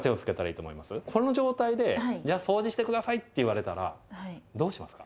この状態でじゃあそうじして下さいって言われたらどうしますか？